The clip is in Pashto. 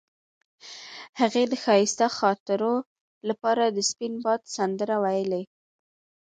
هغې د ښایسته خاطرو لپاره د سپین باد سندره ویله.